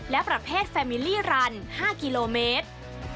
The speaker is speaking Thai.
และประเภทแฟมิลี่รัน๕กิโลเมตร